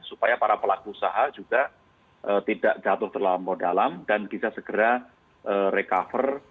supaya para pelaku usaha juga tidak jatuh terlampau dalam dan bisa segera recover